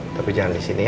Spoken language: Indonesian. tapi jangan disini ya